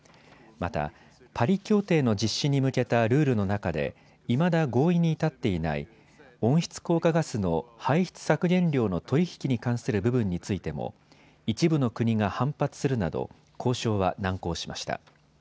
また、パリ協定の実施に向けたルールの中でいまだ合意に至っていない温室効果ガスの排出削減量の取り引きに関する部分についても一部の国が反発するなど交渉は難航しました。